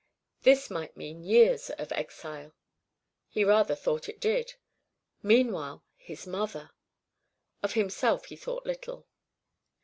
This might mean years of exile. He rather thought it did; meanwhile his mother! Of himself he thought little.